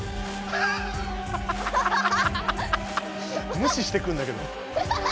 むししてくんだけど。